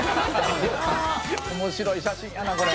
面白い写真やなこれ。